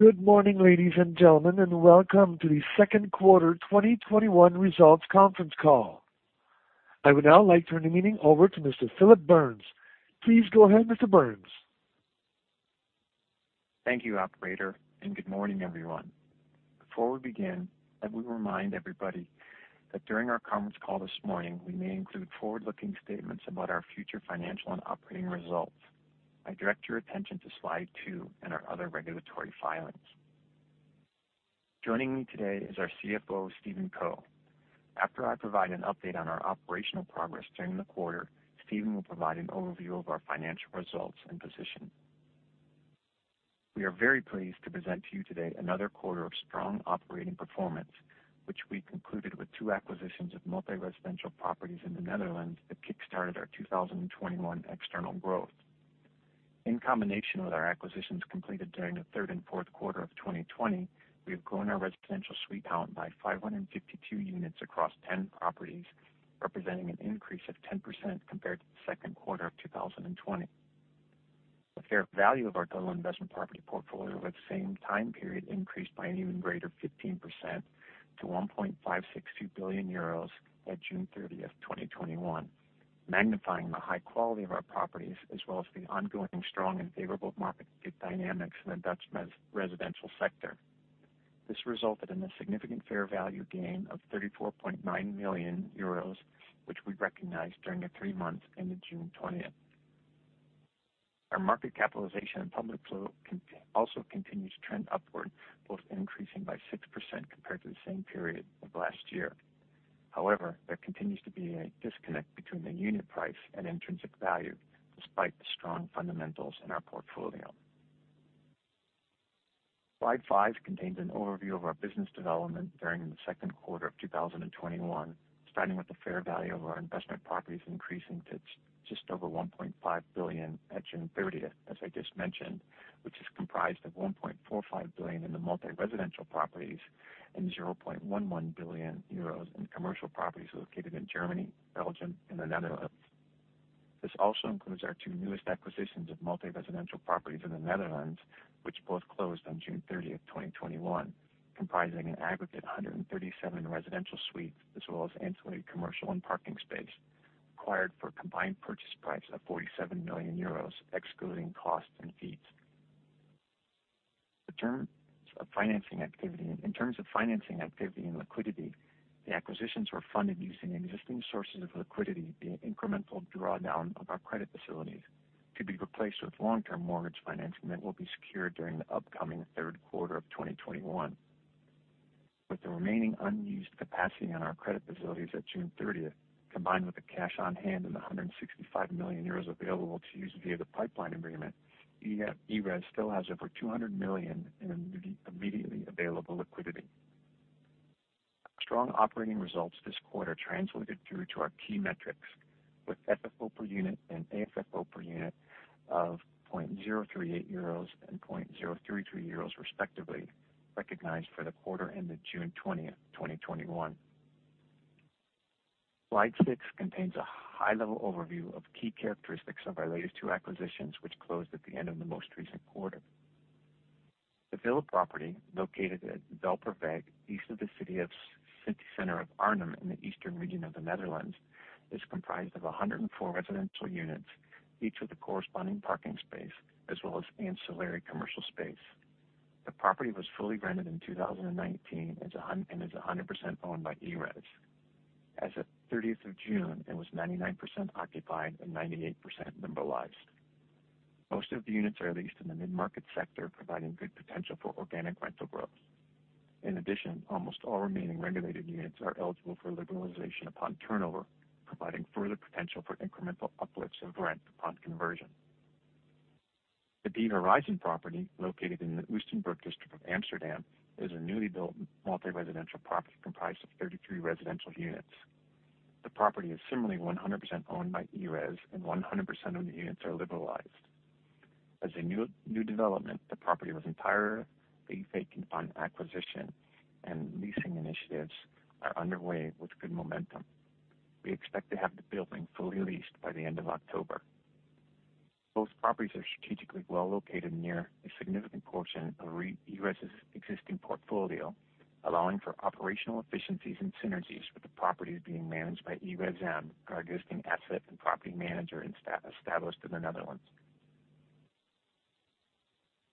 Good morning, ladies and gentlemen, welcome to the second quarter 2021 results conference call. I would now like to turn the meeting over to Mr. Phillip Burns. Please go ahead, Mr. Burns. Thank you, operator. Good morning, everyone. Before we begin, I would remind everybody that during our conference call this morning, we may include forward-looking statements about our future financial and operating results. I direct your attention to Slide two and our other regulatory filings. Joining me today is our CFO, Stephen Co. After I provide an update on our operational progress during the quarter, Stephen will provide an overview of our financial results and position. We are very pleased to present to you today another quarter of strong operating performance, which we concluded with two acquisitions of multi-residential properties in the Netherlands that kickstarted our 2021 external growth. In combination with our acquisitions completed during the third and fourth quarter of 2020, we have grown our residential suite count by 552 units across 10 properties, representing an increase of 10% compared to the second quarter of 2020. The fair value of our total investment property portfolio over the same time period increased by an even greater 15% to 1.562 billion euros at June 30th, 2021, magnifying the high quality of our properties, as well as the ongoing strong and favorable market dynamics in the Dutch residential sector. This resulted in a significant fair value gain of 34.9 million euros, which we recognized during the three months ended June 20th. Our market capitalization and public float also continues to trend upward, both increasing by 6% compared to the same period of last year. There continues to be a disconnect between the unit price and intrinsic value, despite the strong fundamentals in our portfolio. Slide five contains an overview of our business development during the 2nd quarter of 2021, starting with the fair value of our investment properties increasing to just over 1.5 billion at June 30th, as I just mentioned, which is comprised of 1.45 billion in the multi-residential properties and 0.11 billion euros in commercial properties located in Germany, Belgium, and the Netherlands. This also includes our two newest acquisitions of multi-residential properties in the Netherlands, which both closed on June 30th, 2021, comprising an aggregate 137 residential suites, as well as ancillary commercial and parking space, acquired for a combined purchase price of 47 million euros, excluding costs and fees. In terms of financing activity and liquidity, the acquisitions were funded using existing sources of liquidity, being incremental drawdown of our credit facilities to be replaced with long-term mortgage financing that will be secured during the upcoming third quarter of 2021. With the remaining unused capacity on our credit facilities at June 30th, combined with the cash on hand and the 165 million euros available to use via the Pipeline Agreement, ERES still has over 200 million in immediately available liquidity. Strong operating results this quarter translated through to our key metrics with FFO per unit and AFFO per unit of 0.038 euros and 0.033 euros respectively, recognized for the quarter ended June 20th, 2021. Slide six contains a high-level overview of key characteristics of our latest two acquisitions, which closed at the end of the most recent quarter. The Villa property, located at Velperweg, east of the city center of Arnhem in the eastern region of the Netherlands, is comprised of 104 residential units, each with a corresponding parking space, as well as ancillary commercial space. The property was fully rented in 2019 and is 100% owned by ERES. As of 30th of June, it was 99% occupied and 98% liberalized. Most of the units are leased in the mid-market sector, providing good potential for organic rental growth. In addition, almost all remaining regulated units are eligible for liberalization upon turnover, providing further potential for incremental uplifts of rent upon conversion. The De Horizon property, located in the Oostenburg district of Amsterdam, is a newly built multi-residential property comprised of 33 residential units. The property is similarly 100% owned by ERES, and 100% of the units are liberalized. As a new development, the property was entirely vacant upon acquisition, and leasing initiatives are underway with good momentum. We expect to have the building fully leased by the end of October. Both properties are strategically well located near a significant portion of ERES' existing portfolio, allowing for operational efficiencies and synergies with the properties being managed by ERESM, our existing asset and property manager established in the Netherlands.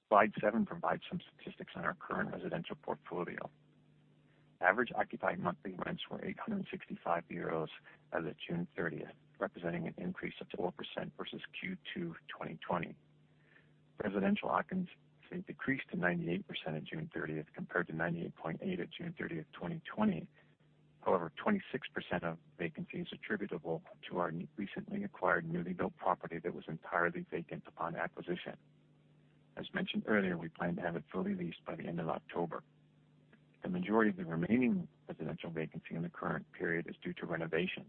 Slide seven provides some statistics on our current residential portfolio. Average occupied monthly rents were 865 euros as of June 30th, representing an increase of 12% versus Q2 2020. Residential occupancy decreased to 98% at June 30th compared to 98.8% at June 30th, 2020. However, 26% of vacancy is attributable to our recently acquired newly built property that was entirely vacant upon acquisition. As mentioned earlier, we plan to have it fully leased by the end of October. The majority of the remaining residential vacancy in the current period is due to renovation.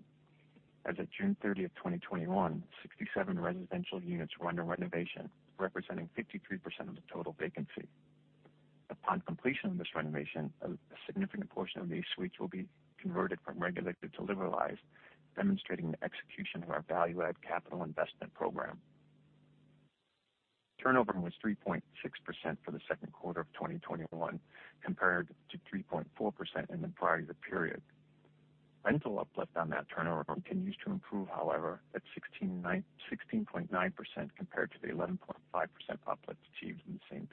As of June 30th, 2021, 67 residential units were under renovation, representing 53% of the total vacancy. Upon completion of this renovation, a significant portion of these suites will be converted from regulated to liberalized, demonstrating the execution of our value-add capital investment program. Turnover was 3.6% for the second quarter of 2021, compared to 3.4% in the prior period. Rental uplift on that turnover continues to improve, however, at 16.9% compared to the 11.5% uplift achieved in the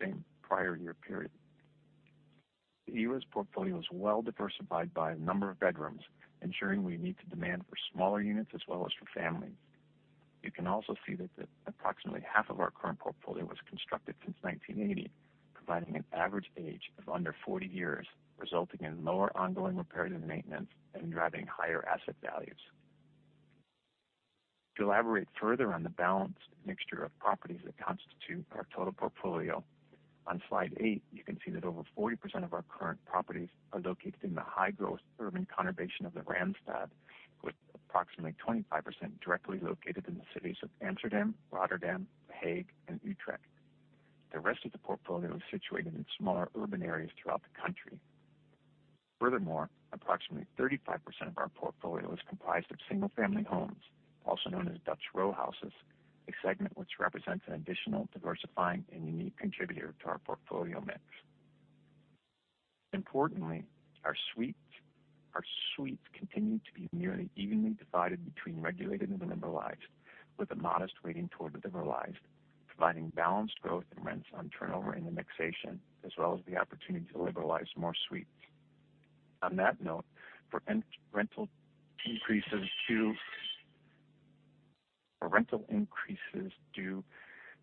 same prior year period. Our portfolio is well diversified by a number of bedrooms, ensuring we meet the demand for smaller units as well as for families. You can also see that approximately half of our current portfolio was constructed since 1980, providing an average age of under 40 years, resulting in lower ongoing repairs and maintenance, and driving higher asset values. To elaborate further on the balanced mixture of properties that constitute our total portfolio, on slide 8, you can see that over 40% of our current properties are located in the high growth urban conurbation of the Randstad, with approximately 25% directly located in the cities of Amsterdam, Rotterdam, The Hague, and Utrecht. The rest of the portfolio is situated in smaller urban areas throughout the country. Furthermore, approximately 35% of our portfolio is comprised of single family homes, also known as Dutch row houses, a segment which represents an additional diversifying and unique contributor to our portfolio mix. Importantly, our suites continue to be nearly evenly divided between regulated and liberalized, with a modest weighting toward the liberalized, providing balanced growth in rents on turnover and indexation, as well as the opportunity to liberalize more suites. On that note, for rental increases due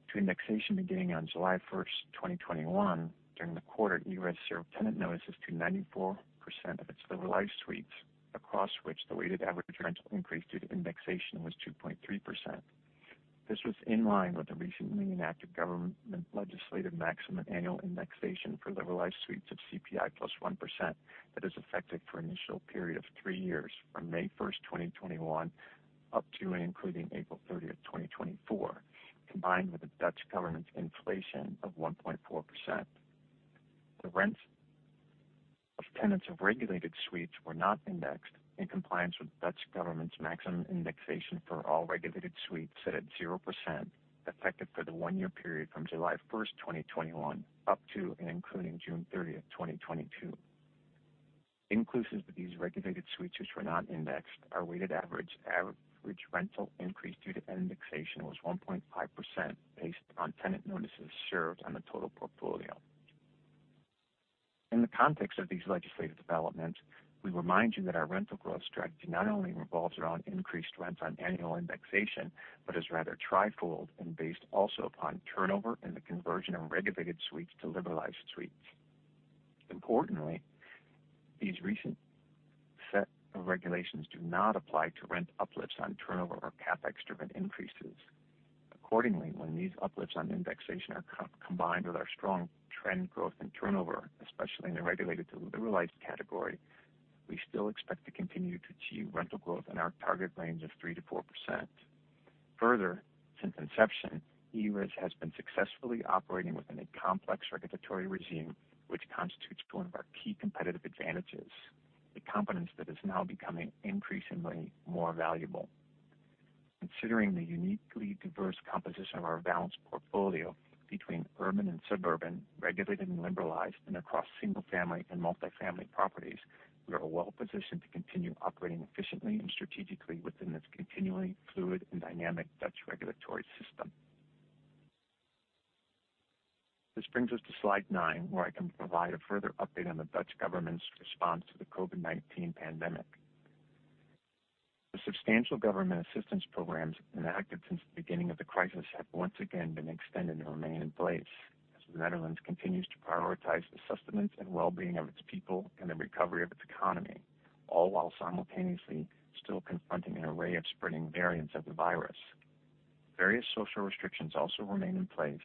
to indexation beginning on July 1st, 2021, during the quarter, ERES served tenant notices to 94% of its liberalized suites, across which the weighted average rental increase due to indexation was 2.3%. This was in line with the recently enacted government legislative maximum annual indexation for liberalized suites of CPI plus 1%, that is effective for an initial period of 3 years from May 1st, 2021 up to and including April 30th, 2024, combined with the Dutch government's inflation of 1.4%. The rents of tenants of regulated suites were not indexed, in compliance with the Dutch government's maximum indexation for all regulated suites set at 0%, effective for the one-year period from July 1st, 2021, up to and including June 30th, 2022. Inclusive of these regulated suites which were not indexed, our weighted average rental increase due to indexation was 1.5%, based on tenant notices served on the total portfolio. In the context of these legislative developments, we remind you that our rental growth strategy not only revolves around increased rents on annual indexation, but is rather tri-fold and based also upon turnover and the conversion of regulated suites to liberalized suites. Importantly, these recent set of regulations do not apply to rent uplifts on turnover or CapEx-driven increases. Accordingly, when these uplifts on indexation are combined with our strong trend growth in turnover, especially in the regulated to liberalized category, we still expect to continue to achieve rental growth in our target range of 3%-4%. Further, since inception, ERES has been successfully operating within a complex regulatory regime, which constitutes one of our key competitive advantages, a competence that is now becoming increasingly more valuable. Considering the uniquely diverse composition of our balanced portfolio between urban and suburban, regulated and liberalized, and across single-family and multi-family properties, we are well positioned to continue operating efficiently and strategically within this continually fluid and dynamic Dutch regulatory system. This brings us to slide nine, where I can provide a further update on the Dutch government's response to the COVID-19 pandemic. The substantial government assistance programs enacted since the beginning of the crisis have once again been extended and remain in place as the Netherlands continues to prioritize the sustenance and well-being of its people and the recovery of its economy, all while simultaneously still confronting an array of spreading variants of the virus. Various social restrictions also remain in place.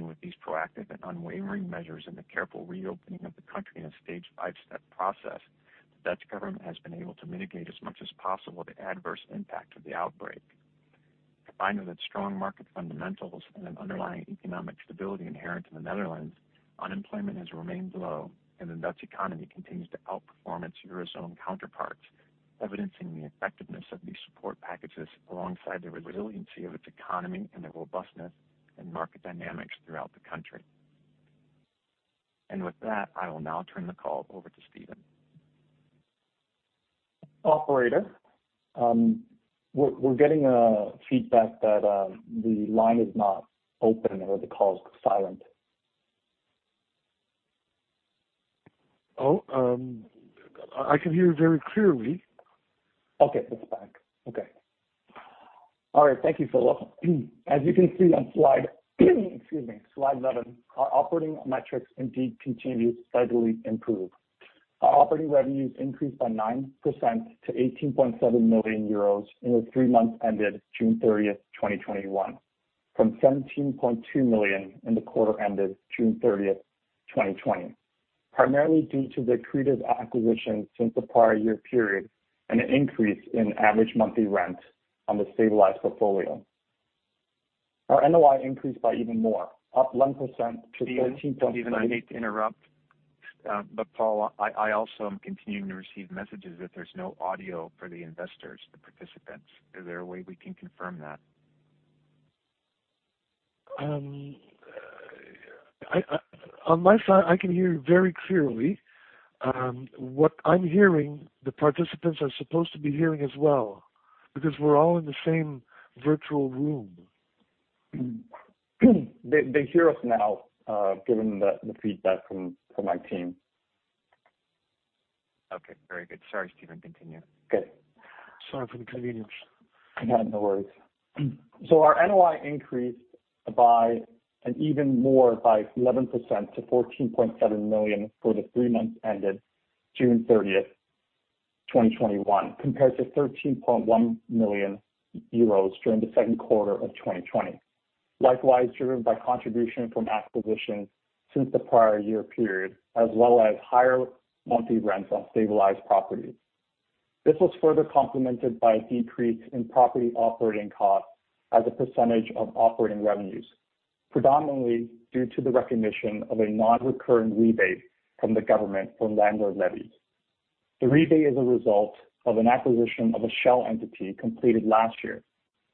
With these proactive and unwavering measures in the careful reopening of the country in a staged 5-step process, the Dutch government has been able to mitigate as much as possible the adverse impact of the outbreak. Combined with its strong market fundamentals and an underlying economic stability inherent in the Netherlands, unemployment has remained low, and the Dutch economy continues to outperform its Eurozone counterparts, evidencing the effectiveness of these support packages alongside the resiliency of its economy and the robustness and market dynamics throughout the country. With that, I will now turn the call over to Stephen. Operator, we're getting a feedback that the line is not open or the call is silent. Oh, I can hear you very clearly. Okay. It's back. Okay. All right. Thank you, Phillip. As you can see on slide 11, our operating metrics indeed continue to steadily improve. Our operating revenues increased by 9% to 18.7 million euros in the three months ended June 30th, 2021, from 17.2 million in the quarter ended June 30th, 2020, primarily due to accretive acquisitions since the prior year period, and an increase in average monthly rent on the stabilized portfolio. Our NOI increased by even more, up 11%. Stephen, I hate to interrupt. Paul, I also am continuing to receive messages that there's no audio for the investors, the participants. Is there a way we can confirm that? On my side, I can hear you very clearly. What I'm hearing, the participants are supposed to be hearing as well, because we're all in the same virtual room. They hear us now, given the feedback from my team. Okay, very good. Sorry, Stephen. Continue. Okay. Sorry for the inconvenience. No worries. Our NOI increased by an even more by 11% to 14.7 million for the three months ended June 30, 2021, compared to 13.1 million euros during the second quarter of 2020. Likewise, driven by contribution from acquisitions since the prior year period, as well as higher monthly rents on stabilized properties. This was further complemented by a decrease in property operating costs as a percentage of operating revenues, predominantly due to the recognition of a non-recurring rebate from the government for landlord levy. The rebate is a result of an acquisition of a shell entity completed last year,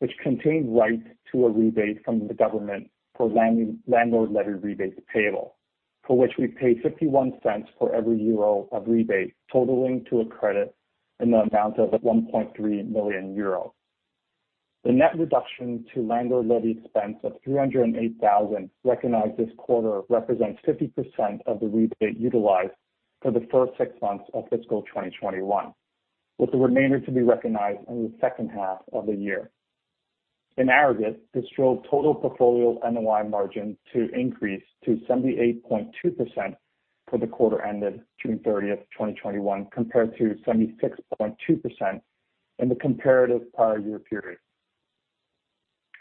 which contained rights to a rebate from the government for landlord levy rebates payable, for which we pay 0.51 for every EUR of rebate, totaling to a credit in the amount of 1.3 million euro. The net reduction to landlord levy expense of 308,000 recognized this quarter represents 50% of the rebate utilized for the first six months of fiscal 2021, with the remainder to be recognized in the second half of the year. In aggregate, this drove total portfolio NOI margin to increase to 78.2% for the quarter ended June 30th, 2021, compared to 76.2% in the comparative prior year period.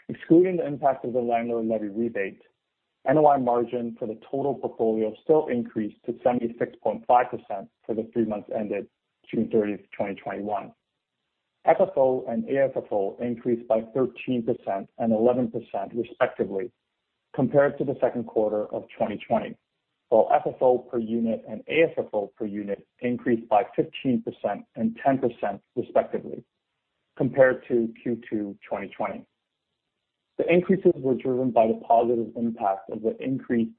Excluding the impact of the landlord levy rebate, NOI margin for the total portfolio still increased to 76.5% for the three months ended June 30th, 2021. FFO and AFFO increased by 13% and 11%, respectively, compared to the second quarter of 2020. While FFO per unit and AFFO per unit increased by 15% and 10%, respectively, compared to Q2 2020. The increases were driven by the positive impact of the increased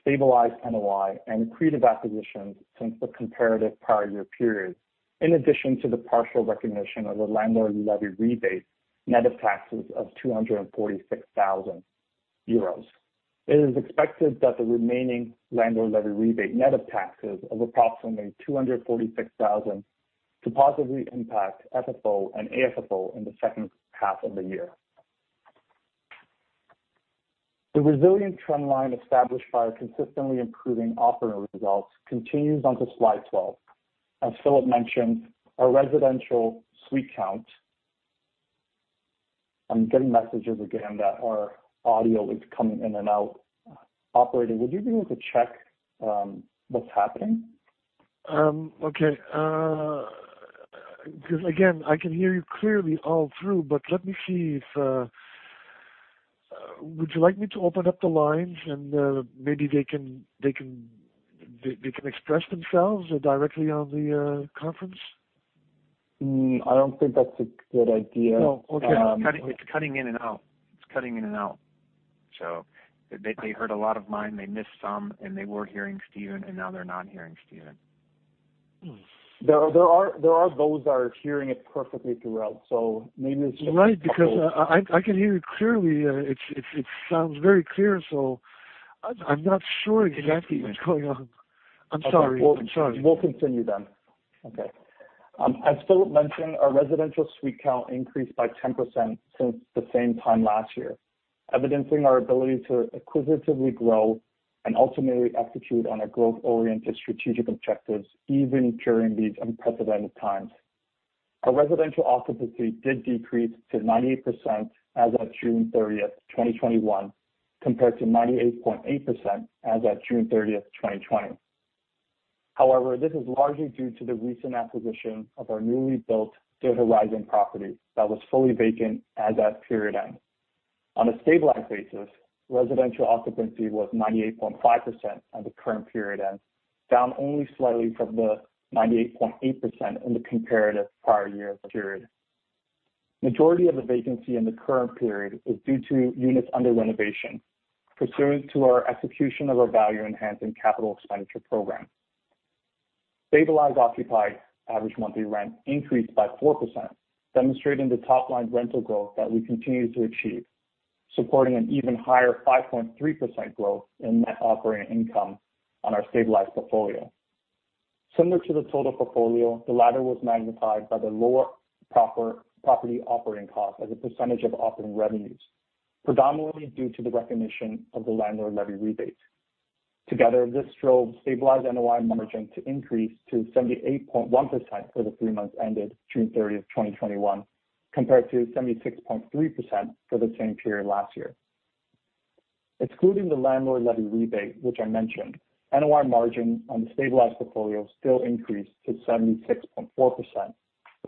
stabilized NOI and accretive acquisitions since the comparative prior year period, in addition to the partial recognition of the landlord levy rebate net of taxes of 246,000 euros. It is expected that the remaining landlord levy rebate net of taxes of approximately 246,000 to positively impact FFO and AFFO in the second half of the year. The resilient trend line established by our consistently improving operating results continues onto slide 12. As Phillip mentioned, our residential suite count I'm getting messages again that our audio is coming in and out. Operator, would you be able to check what's happening? Okay. Again, I can hear you clearly all through, but would you like me to open up the lines and maybe they can express themselves directly on the conference? I don't think that's a good idea. No, okay. It's cutting in and out. They heard a lot of mine, they missed some, and they were hearing Stephen, and now they're not hearing Stephen. There are those that are hearing it perfectly throughout. Right, because I can hear you clearly. It sounds very clear, so I'm not sure exactly what's going on. I'm sorry. We'll continue then. Okay. As Phillip mentioned, our residential suite count increased by 10% since the same time last year, evidencing our ability to acquisitively grow and ultimately execute on our growth-oriented strategic objectives, even during these unprecedented times. Our residential occupancy did decrease to 98% as of June 30th, 2021, compared to 98.8% as of June 30th, 2020. This is largely due to the recent acquisition of our newly built De Horizon property that was fully vacant as at period end. On a stabilized basis, residential occupancy was 98.5% at the current period end, down only slightly from the 98.8% in the comparative prior year period. Majority of the vacancy in the current period is due to units under renovation pursuant to our execution of our value enhancing capital expenditure program. Stabilized occupied average monthly rent increased by 4%, demonstrating the top-line rental growth that we continue to achieve, supporting an even higher 5.3% growth in NOI on our stabilized portfolio. Similar to the total portfolio, the latter was magnified by the lower property operating cost as a percentage of operating revenues, predominantly due to the recognition of the landlord levy rebate. Together, this drove stabilized NOI margin to increase to 78.1% for the three months ended June 30, 2021, compared to 76.3% for the same period last year. Excluding the landlord levy rebate, which I mentioned, NOI margin on the stabilized portfolio still increased to 76.4% for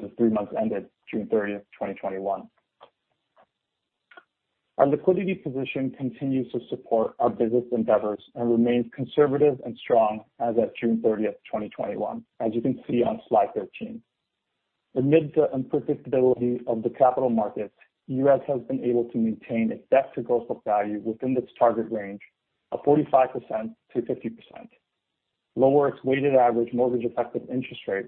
the three months ended June 30, 2021. Our liquidity position continues to support our business endeavors and remains conservative and strong as at June 30, 2021, as you can see on slide 13. Amid the unpredictability of the capital markets, ERES has been able to maintain its debt to gross book value within its target range of 45%-50%, lower its weighted average mortgage effective interest rate,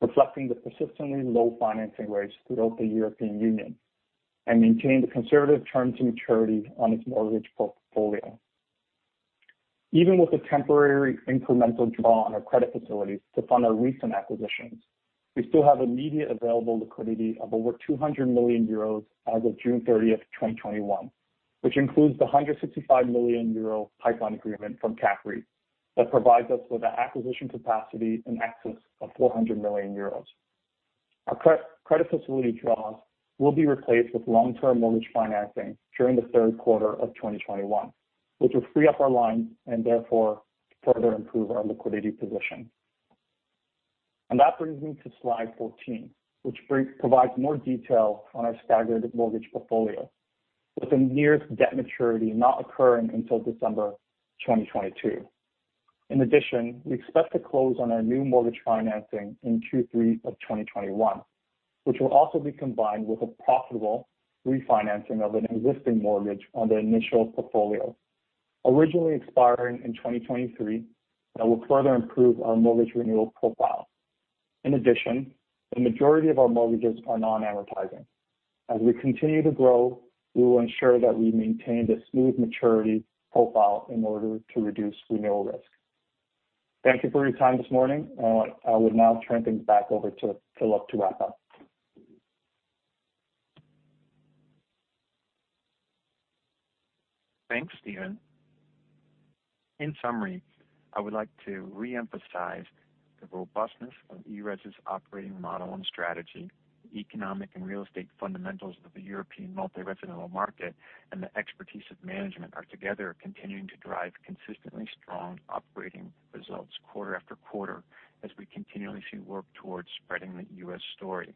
reflecting the persistently low financing rates throughout the European Union, and maintain the conservative terms and maturities on its mortgage portfolio. Even with a temporary incremental draw on our credit facilities to fund our recent acquisitions, we still have immediate available liquidity of over 200 million euros as of June 30th, 2021, which includes the 165 million euro Pipeline Agreement from CAPREIT that provides us with the acquisition capacity in excess of 400 million euros. Our credit facility draws will be replaced with long-term mortgage financing during the third quarter of 2021, which will free up our line and therefore further improve our liquidity position. That brings me to slide 14, which provides more detail on our staggered mortgage portfolio, with the nearest debt maturity not occurring until December 2022. In addition, we expect to close on our new mortgage financing in Q3 of 2021, which will also be combined with a profitable refinancing of an existing mortgage on the initial portfolio, originally expiring in 2023, that will further improve our mortgage renewal profile. In addition, the majority of our mortgages are non-amortizing. As we continue to grow, we will ensure that we maintain the smooth maturity profile in order to reduce renewal risk. Thank you for your time this morning. I will now turn things back over to Phillip to wrap up. Thanks, Stephen. In summary, I would like to reemphasize the robustness of ERES' operating model and strategy. The economic and real estate fundamentals of the European multi-residential market and the expertise of management are together continuing to drive consistently strong operating results quarter after quarter as we continually see work towards spreading the ERES story.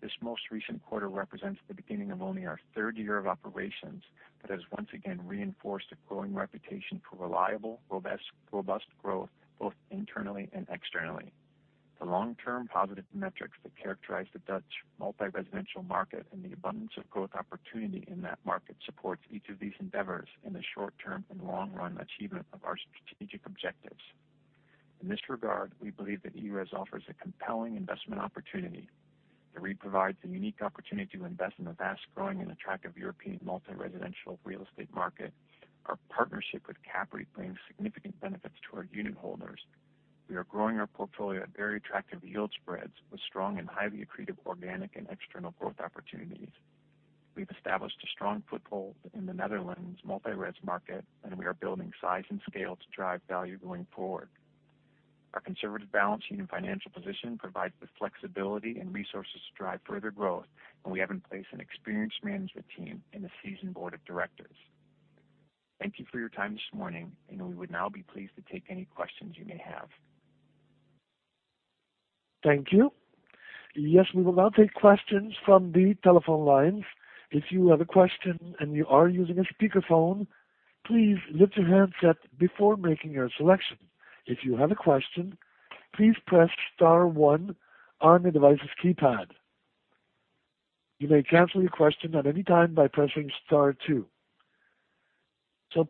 This most recent quarter represents the beginning of only our third year of operations, but has once again reinforced a growing reputation for reliable, robust growth, both internally and externally. The long-term positive metrics that characterize the Dutch multi-residential market and the abundance of growth opportunity in that market supports each of these endeavors in the short-term and long-run achievement of our strategic objectives. In this regard, we believe that ERES offers a compelling investment opportunity. The REIT provides a unique opportunity to invest in the vast, growing, and attractive European multi-residential real estate market. Our partnership with CAPREIT brings significant benefits to our unitholders. We are growing our portfolio at very attractive yield spreads with strong and highly accretive organic and external growth opportunities. We've established a strong foothold in the Netherlands multi-res market, and we are building size and scale to drive value going forward. Our conservative balance sheet and financial position provides the flexibility and resources to drive further growth, and we have in place an experienced management team and a seasoned board of directors. Thank you for your time this morning, and we would now be pleased to take any questions you may have. Thank you. Yes, we will now take questions from the telephone lines. If you have a question and you are using a speakerphone, please lift your handset before making your selection. If you have a question, please press star one on your device's keypad. You may cancel your question at any time by pressing star two.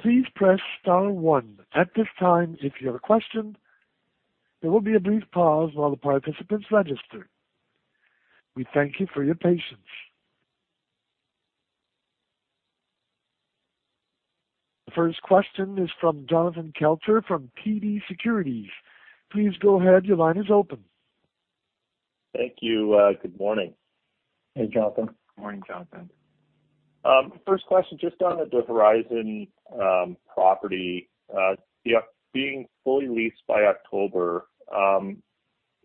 Please press star one at this time if you have a question. There will be a brief pause while the participants register. We thank you for your patience. The first question is from Jonathan Kelcher from TD Securities. Please go ahead. Your line is open. Thank you. Good morning. Hey, Jonathan. Morning, Jonathan. First question, just on the De Horizon property being fully leased by October.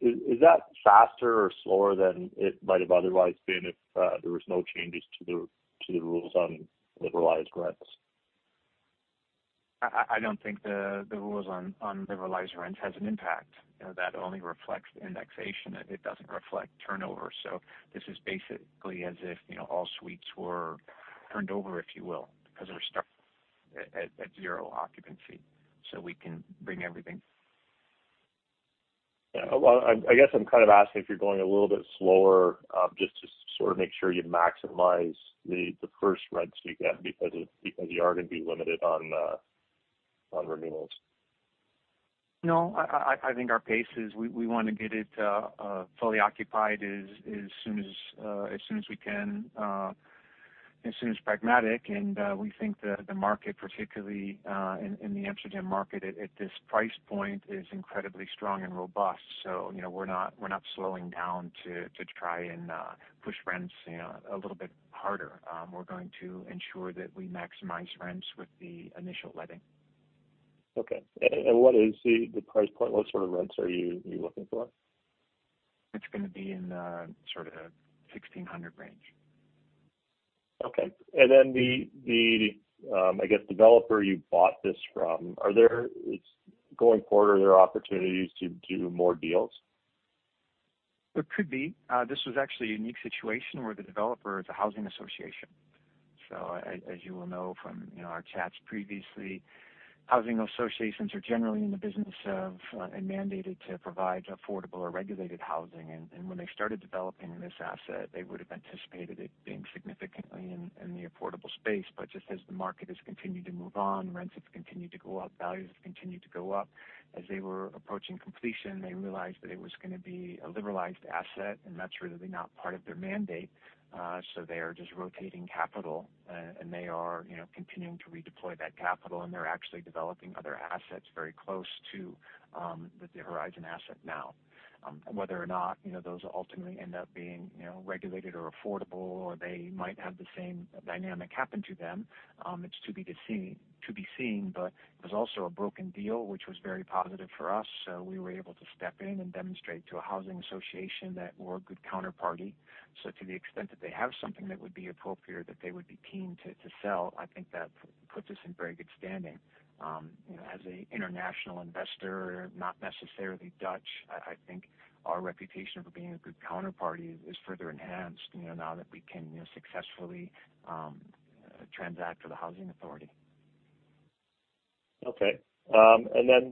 Is that faster or slower than it might have otherwise been if there was no changes to the rules on liberalized rents? I don't think the rules on liberalized rent has an impact. That only reflects indexation. It doesn't reflect turnover. This is basically as if all suites were turned over, if you will, because we're starting at zero occupancy, so we can bring everything. Well, I guess I'm kind of asking if you're going a little bit slower, just to sort of make sure you maximize the first rents you get because you are going to be limited on renewals. I think our pace is we want to get it fully occupied as soon as pragmatic, and we think the market, particularly in the Amsterdam market at this price point, is incredibly strong and robust. We're not slowing down to try and push rents a little bit harder. We're going to ensure that we maximize rents with the initial letting. Okay. What is the price point? What sort of rents are you looking for? It's going to be in the 1,600 range. Okay. The developer you bought this from, going forward, are there opportunities to do more deals? There could be. This was actually a unique situation where the developer is a housing association. As you will know from our chats previously, housing associations are generally in the business of and mandated to provide affordable or regulated housing. When they started developing this asset, they would have anticipated it being significantly in the affordable space. Just as the market has continued to move on, rents have continued to go up, values have continued to go up. As they were approaching completion, they realized that it was going to be a liberalized asset, and that's really not part of their mandate. They are just rotating capital, and they are continuing to redeploy that capital, and they're actually developing other assets very close to the De Horizon asset now. Whether or not those will ultimately end up being regulated or affordable, or they might have the same dynamic happen to them, it's to be seen. It was also a broken deal, which was very positive for us, so we were able to step in and demonstrate to a housing association that we're a good counterparty. To the extent that they have something that would be appropriate that they would be keen to sell, I think that puts us in very good standing. As an international investor, not necessarily Dutch, I think our reputation for being a good counterparty is further enhanced, now that we can successfully transact with a housing authority. Okay.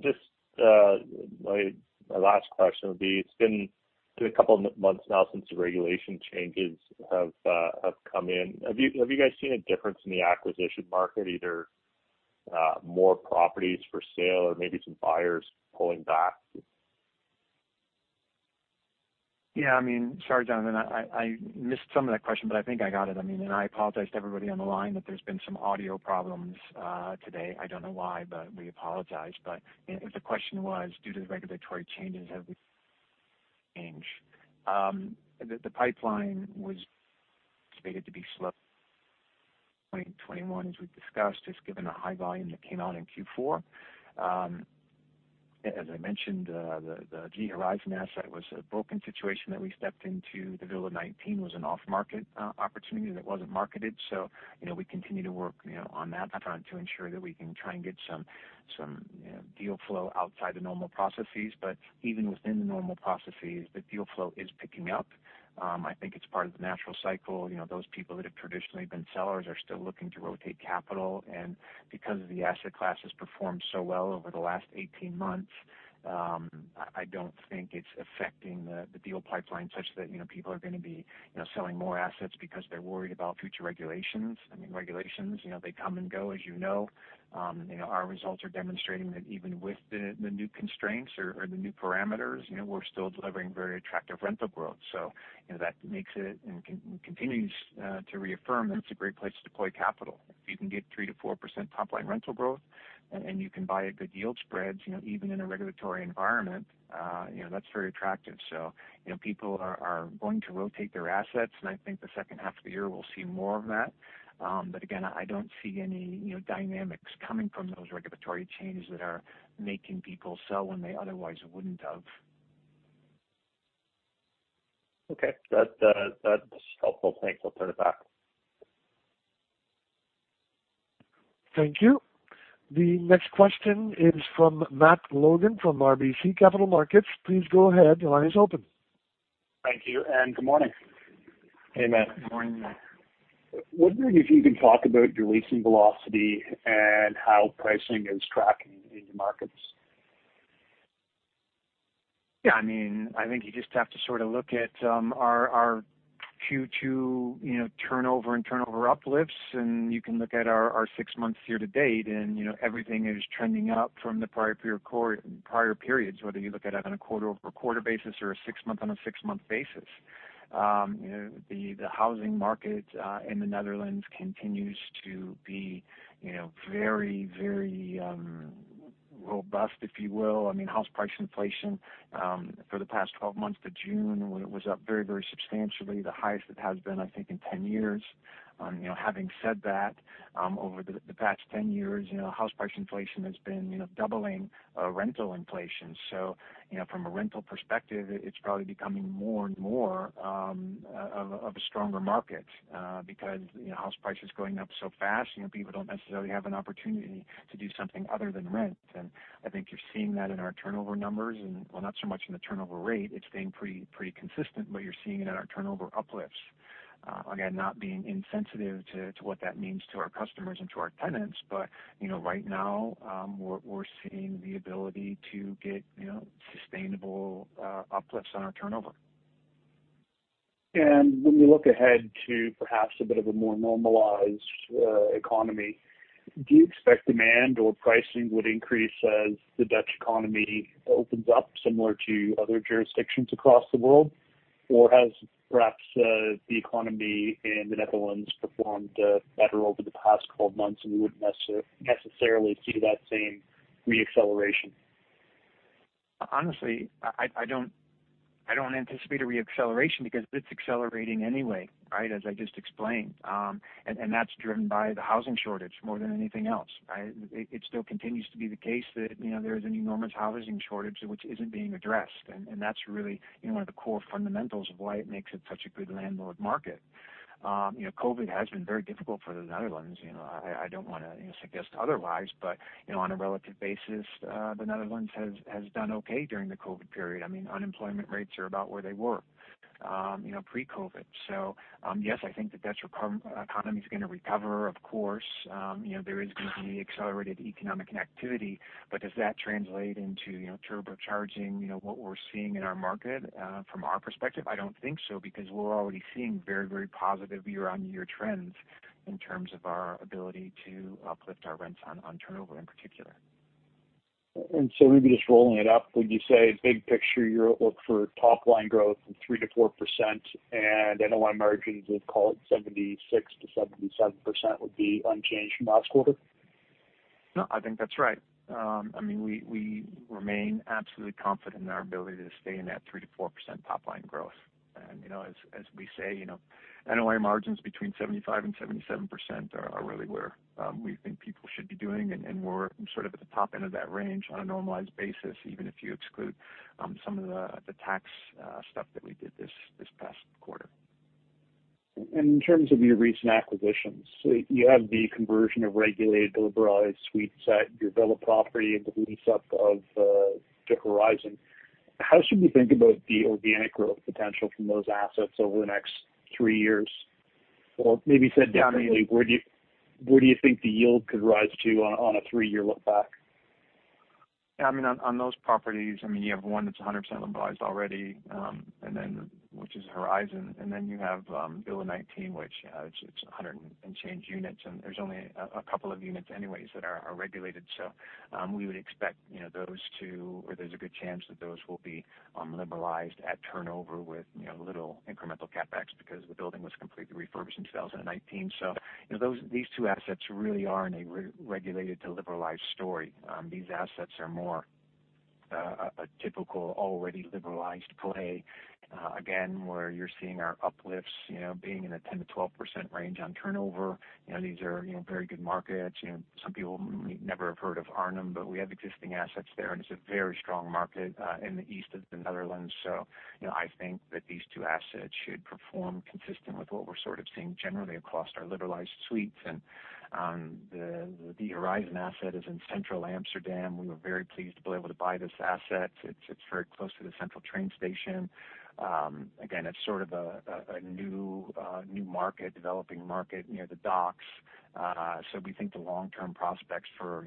Just my last question would be, it's been a couple months now since the regulation changes have come in. Have you guys seen a difference in the acquisition market, either more properties for sale or maybe some buyers pulling back? Yeah. Sorry, Jonathan, I missed some of that question, but I think I got it. I apologize to everybody on the line that there's been some audio problems today. I don't know why, but we apologize. If the question was due to the regulatory changes, have we changed? The pipeline was stated to be slow, 2021, as we discussed, just given the high volume that came out in Q4. As I mentioned, the De Horizon asset was a broken situation that we stepped into. The Villa 19 was an off-market opportunity that wasn't marketed. We continue to work on that front to ensure that we can try and get some deal flow outside the normal processes. Even within the normal processes, the deal flow is picking up. I think it's part of the natural cycle. Those people that have traditionally been sellers are still looking to rotate capital. Because the asset class has performed so well over the last 18 months, I don't think it's affecting the deal pipeline such that people are going to be selling more assets because they're worried about future regulations. Regulations, they come and go, as you know. Our results are demonstrating that even with the new constraints or the new parameters, we're still delivering very attractive rental growth. That makes it and continues to reaffirm that it's a great place to deploy capital. If you can get 3%-4% top line rental growth and you can buy at good yield spreads, even in a regulatory environment, that's very attractive. People are going to rotate their assets, and I think the second half of the year will see more of that. Again, I don't see any dynamics coming from those regulatory changes that are making people sell when they otherwise wouldn't have. Okay. That's helpful. Thanks. I'll put it back. Thank you. The next question is from Matt Logan from RBC Capital Markets. Please go ahead. Your line is open. Thank you, and good morning. Hey, Matt. Good morning, Matt. Wondering if you can talk about your leasing velocity and how pricing is tracking in your markets? Yeah. I think you just have to sort of look at our Q2 turnover and turnover uplifts, and you can look at our six months year to date, and everything is trending up from the prior periods, whether you look at it on a quarter-over-quarter basis or a six-month on a six-month basis. The housing market in the Netherlands continues to be very robust, if you will. House price inflation for the past 12 months to June was up very substantially, the highest it has been, I think, in 10 years. Having said that, over the past 10 years, house price inflation has been doubling rental inflation. From a rental perspective, it's probably becoming more and more of a stronger market because house price is going up so fast, people don't necessarily have an opportunity to do something other than rent. I think you're seeing that in our turnover numbers, and well, not so much in the turnover rate. It's staying pretty consistent, but you're seeing it in our turnover uplifts. Not being insensitive to what that means to our customers and to our tenants, but right now, we're seeing the ability to get sustainable uplifts on our turnover. When we look ahead to perhaps a bit of a more normalized economy, do you expect demand or pricing would increase as the Dutch economy opens up similar to other jurisdictions across the world? Has perhaps the economy in the Netherlands performed better over the past 12 months, and we wouldn't necessarily see that same re-acceleration? Honestly, I don't anticipate a re-acceleration because it's accelerating anyway, right, as I just explained. That's driven by the housing shortage more than anything else, right? It still continues to be the case that there is an enormous housing shortage which isn't being addressed, and that's really one of the core fundamentals of why it makes it such a good landlord market. COVID has been very difficult for the Netherlands. I don't want to suggest otherwise, but on a relative basis, the Netherlands has done okay during the COVID period. Unemployment rates are about where they were pre-COVID. Yes, I think that Dutch economy's going to recover, of course. There is going to be accelerated economic activity, but does that translate into turbocharging what we're seeing in our market from our perspective? I don't think so, because we're already seeing very positive year-on-year trends in terms of our ability to uplift our rents on turnover in particular. Maybe just rolling it up, would you say big picture outlook for top line growth from 3%-4% and NOI margins of, call it, 76%-77% would be unchanged from last quarter? No, I think that's right. We remain absolutely confident in our ability to stay in that 3% to 4% top line growth. As we say, NOI margins between 75% and 77% are really where we think people should be doing, and we're sort of at the top end of that range on a normalized basis, even if you exclude some of the tax stuff that we did this past quarter. In terms of your recent acquisitions, you have the conversion of regulated to liberalized suites at your Villa property and the lease up of De Horizon. How should we think about the organic growth potential from those assets over the next three years? Maybe said differently, where do you think the yield could rise to on a three-year look back? On those properties, you have one that's 100% liberalized already, which is De Horizon, and then you have Villa 19, which, it's 100 and change units, and there's only a couple of units anyways that are regulated. We would expect those two, or there's a good chance that those will be liberalized at turnover with little incremental CapEx because the building was completely refurbished in 2019. These two assets really are in a regulated to liberalized story. These assets are more a typical, already liberalized play. Again, where you're seeing our uplifts being in a 10%-12% range on turnover. These are very good markets. Some people may never have heard of Arnhem, but we have existing assets there, and it's a very strong market in the east of the Netherlands. I think that these two assets should perform consistent with what we're sort of seeing generally across our liberalized suites. The horizon asset is in central Amsterdam. We were very pleased to be able to buy this asset. It's very close to the central train station. Again, it's sort of a new market, developing market near the docks. We think the long-term prospects for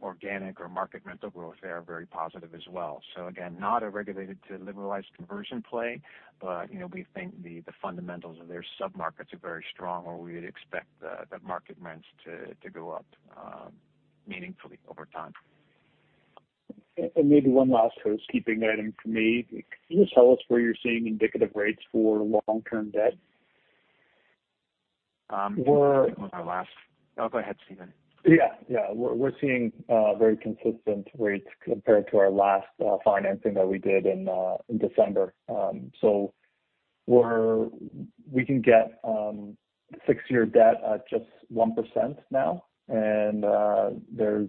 organic or market rental growth there are very positive as well. Again, not a regulated to liberalized conversion play, but we think the fundamentals of their sub-markets are very strong where we would expect the market rents to go up meaningfully over time. Maybe one last housekeeping item from me. Can you just tell us where you're seeing indicative rates for long-term debt? Oh, go ahead, Stephen. Yeah. We're seeing very consistent rates compared to our last financing that we did in December. We can get six-year debt at just 1% now. There's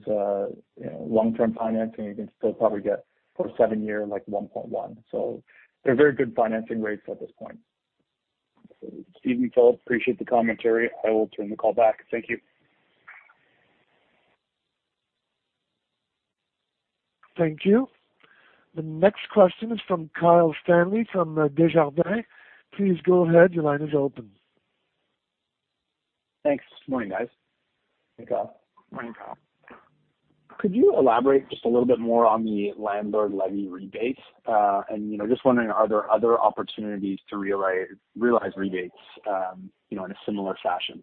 long-term financing you can still probably get for seven-year, like 1.1%. They're very good financing rates at this point. Stephen, Phillip, appreciate the commentary. I will turn the call back. Thank you. Thank you. The next question is from Kyle Stanley from Desjardins. Please go ahead. Thanks. Morning, guys. Hey, Kyle. Morning, Kyle. Could you elaborate just a little bit more on the landlord levy rebates? Just wondering, are there other opportunities to realize rebates in a similar fashion?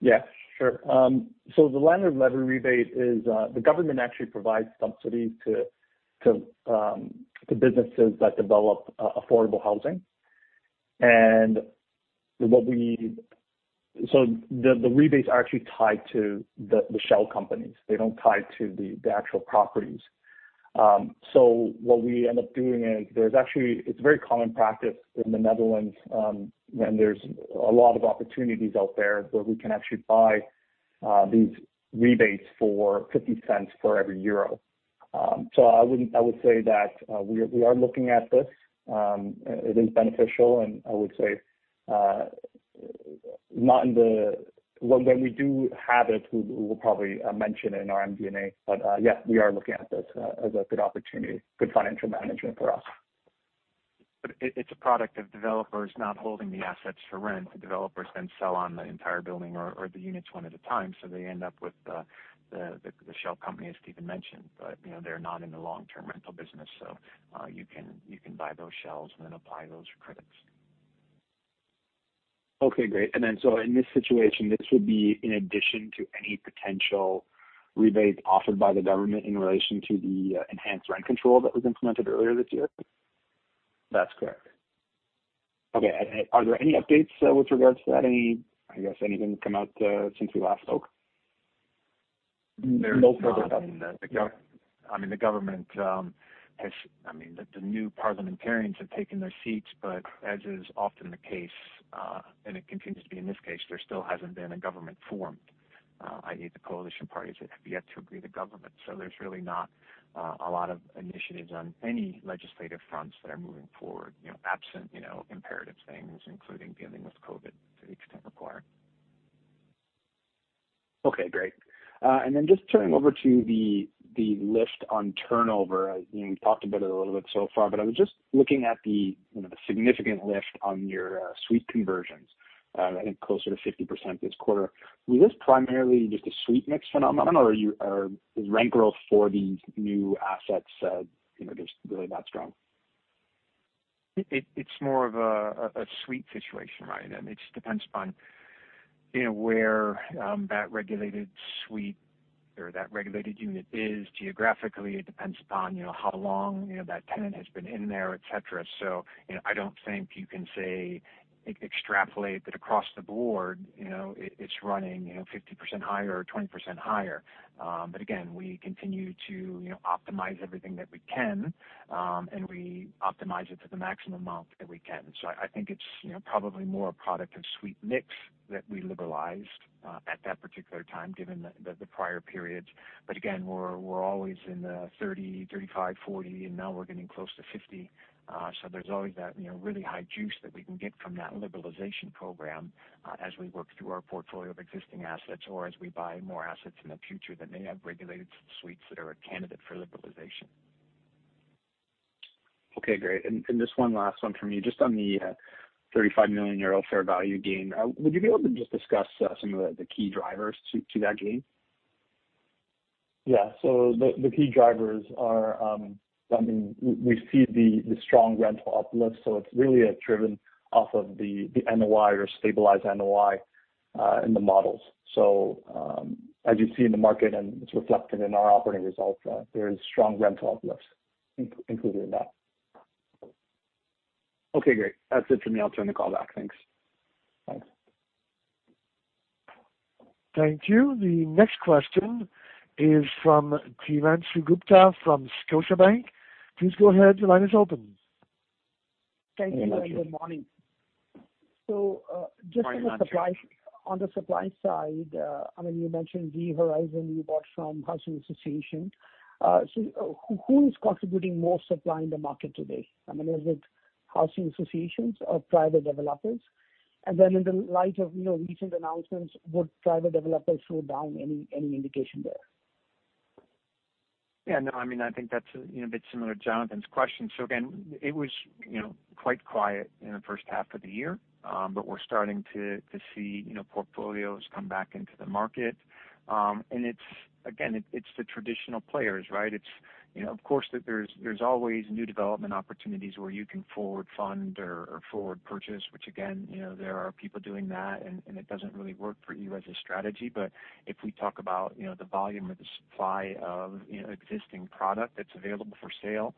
Yeah, sure. The landlord levy rebate is the government actually provides subsidies to businesses that develop affordable housing. The rebates are actually tied to the shell companies. They don't tie to the actual properties. What we end up doing is, it's very common practice in the Netherlands, and there's a lot of opportunities out there where we can actually buy these rebates for 0.50 for every EUR 1. I would say that we are looking at this. It is beneficial, and I would say when we do have it, we'll probably mention it in our MD&A. Yeah, we are looking at this as a good opportunity, good financial management for us. It's a product of developers not holding the assets for rent. The developers then sell on the entire building or the units one at a time, so they end up with the shell company, as Stephen mentioned. They're not in the long-term rental business, so you can buy those shells and then apply those credits. Okay, great. In this situation, this would be in addition to any potential rebates offered by the government in relation to the enhanced rent control that was implemented earlier this year? That's correct. Okay. Are there any updates with regards to that? Anything come out since we last spoke? There's not. The new parliamentarians have taken their seats, but as is often the case, and it continues to be in this case, there still hasn't been a government formed, i.e., the coalition parties that have yet to agree to government. There's really not a lot of initiatives on any legislative fronts that are moving forward, absent imperative things, including dealing with COVID to the extent required. Okay, great. Just turning over to the lift on turnover. You talked about it a little bit so far, but I was just looking at the significant lift on your suite conversions, I think closer to 50% this quarter. Was this primarily just a suite mix phenomenon, or is rent growth for these new assets just really that strong? It's more of a suite situation. It just depends upon where that regulated suite or that regulated unit is geographically. It depends upon how long that tenant has been in there, et cetera. I don't think you can say extrapolate that across the board it's running 50% higher or 20% higher. Again, we continue to optimize everything that we can, and we optimize it to the maximum amount that we can. I think it's probably more a product of suite mix that we liberalized at that particular time, given the prior periods. Again, we're always in the 30, 35, 40, and now we're getting close to 50. There's always that really high juice that we can get from that liberalization program as we work through our portfolio of existing assets or as we buy more assets in the future that may have regulated suites that are a candidate for liberalization. Okay, great. Just one last one from me. Just on the 35 million euro fair value gain, would you be able to just discuss some of the key drivers to that gain? Yeah. The key drivers are, we see the strong rental uplift, it's really driven off of the NOI or stabilized NOI in the models. As you see in the market, and it's reflected in our operating results, there is strong rental uplift included in that. Okay, great. That's it for me. I'll turn the call back. Thanks. Thanks. Thank you. The next question is from Himanshu Gupta from Scotiabank. Please go ahead, your line is open. Thank you. Good morning. Morning. Just on the supply side, you mentioned the Horizon you bought from housing association. Who is contributing more supply in the market today? Is it housing associations or private developers? In the light of recent announcements, would private developers slow down? Any indication there? No, I think that's a bit similar to Jonathan's question. Again, it was quite quiet in the first half of the year. Again, it's the traditional players. Of course, there's always new development opportunities where you can forward fund or forward purchase, which again, there are people doing that, and it doesn't really work for you as a strategy. If we talk about the volume or the supply of existing product that's available for sale,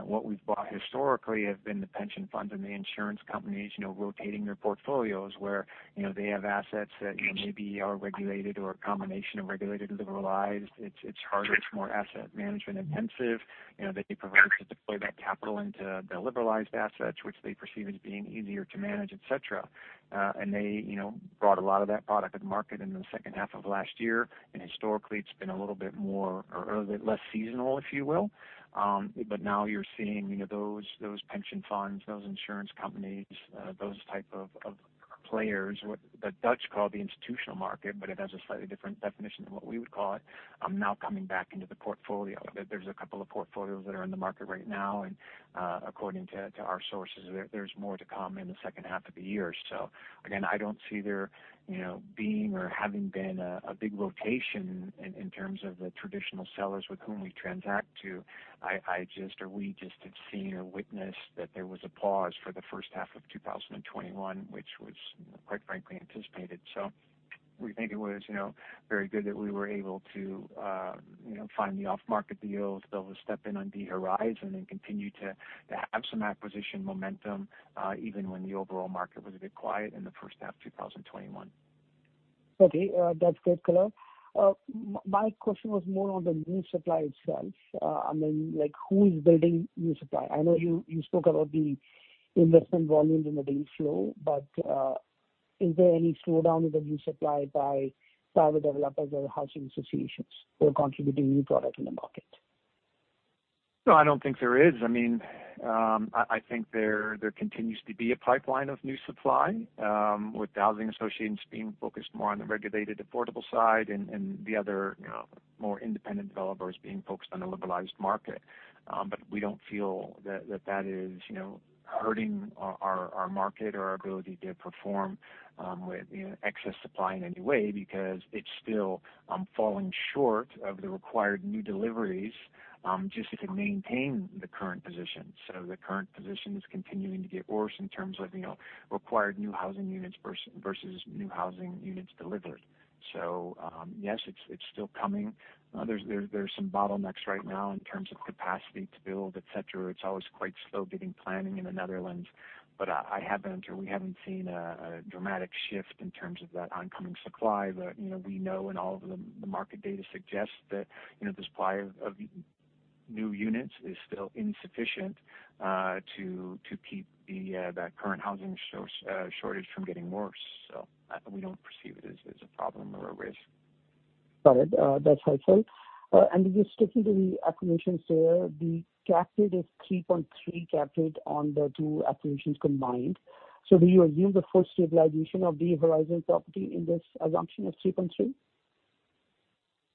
what we've bought historically have been the pension funds and the insurance companies rotating their portfolios where they have assets that maybe are regulated or a combination of regulated and liberalized. It's harder, it's more asset management intensive. They prefer to deploy that capital into the liberalized assets, which they perceive as being easier to manage, et cetera. They brought a lot of that product to the market in the second half of last year. Historically, it's been a little bit more or a little bit less seasonal, if you will. Now you're seeing those pension funds, those insurance companies, those type of players, what the Dutch call the institutional market, but it has a slightly different definition than what we would call it, now coming back into the portfolio. There's a couple of portfolios that are in the market right now, and according to our sources, there's more to come in the second half of the year. Again, I don't see there being or having been a big rotation in terms of the traditional sellers with whom we transact to. We just had seen or witnessed that there was a pause for the first half of 2021, which was quite frankly anticipated. We think it was very good that we were able to find the off-market deals, be able to step in on the horizon, and continue to have some acquisition momentum, even when the overall market was a bit quiet in the first half of 2021. Okay, that's great, colour. My question was more on the new supply itself. Who is building new supply? I know you spoke about the investment volumes and the deal flow, but is there any slowdown in the new supply by private developers or housing associations who are contributing new product in the market? No, I don't think there is. I think there continues to be a pipeline of new supply, with housing associations being focused more on the regulated affordable side and the other more independent developers being focused on the liberalized market. We don't feel that that is hurting our market or our ability to perform with excess supply in any way because it's still falling short of the required new deliveries just to maintain the current position. The current position is continuing to get worse in terms of required new housing units versus new housing units delivered. Yes, it's still coming. There's some bottlenecks right now in terms of capacity to build, et cetera. It's always quite slow getting planning in the Netherlands. I haven't, or we haven't seen a dramatic shift in terms of that oncoming supply. We know and all of the market data suggests that the supply of new units is still insufficient to keep that current housing shortage from getting worse. We don't perceive it as a problem or a risk. Got it. That's helpful. Just sticking to the acquisitions there, the cap rate is 3.3 cap rate on the two acquisitions combined. Do you assume the full stabilization of the De Horizon property in this assumption of 3.3?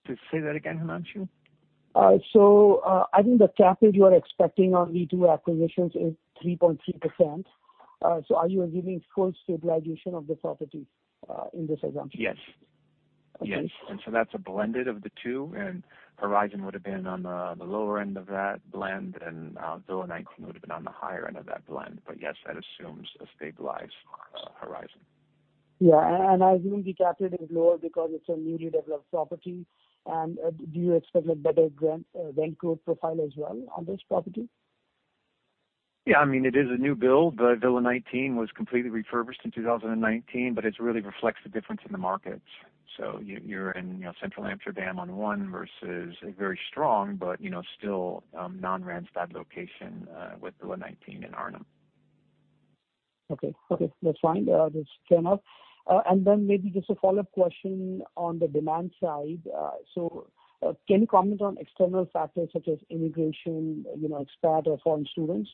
Just say that again, Himanshu. I think the cap rate you are expecting on the two acquisitions is 3.3%. Are you assuming full stabilization of the properties in this assumption? Yes. Okay. Yes. That's a blended of the two, and Horizon would've been on the lower end of that blend, and Villa 19 would've been on the higher end of that blend. Yes, that assumes a stabilized Horizon. Yeah. Assuming the cap rate is lower because it's a newly developed property, and do you expect a better rent growth profile as well on this property? Yeah, it is a new build, but Villa 19 was completely refurbished in 2019, but it really reflects the difference in the markets. You're in central Amsterdam on one versus a very strong, but still non-Randstad location with Villa 19 in Arnhem. Okay. That's fine. That's fair enough. Then maybe just a follow-up question on the demand side. Can you comment on external factors such as immigration, ex-pat or foreign students?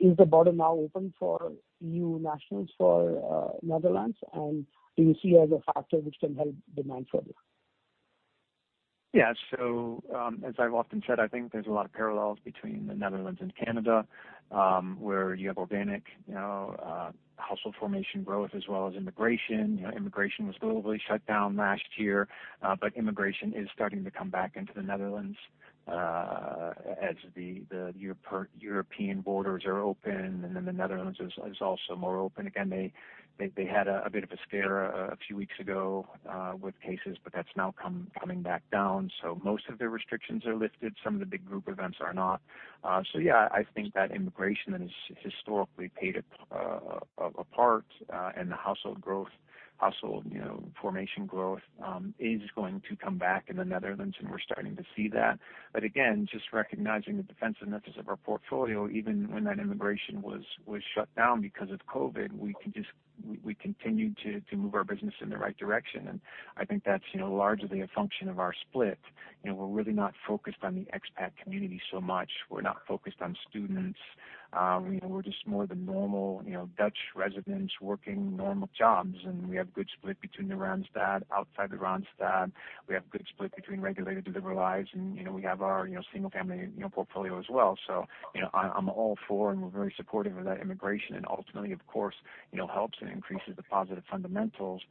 Is the border now open for EU nationals for Netherlands? Do you see it as a factor which can help demand further? As I've often said, I think there's a lot of parallels between the Netherlands and Canada, where you have organic household formation growth as well as immigration. Immigration was globally shut down last year, immigration is starting to come back into the Netherlands as the European borders are open, the Netherlands is also more open. They had a bit of a scare a few weeks ago with cases, that's now coming back down. Most of their restrictions are lifted. Some of the big group events are not. I think that immigration has historically played a part in the household formation growth is going to come back in the Netherlands, we're starting to see that. Again, just recognizing the defensiveness of our portfolio, even when that immigration was shut down because of COVID, we continued to move our business in the right direction, and I think that's largely a function of our split. We're really not focused on the ex-pat community so much. We're not focused on students. We're just more the normal Dutch residents working normal jobs, and we have a good split between the Randstad, outside the Randstad. We have a good split between regulated to liberalized, and we have our single-family portfolio as well. I'm all for, and we're very supportive of that immigration, and ultimately, of course, it helps and increases the positive fundamentals.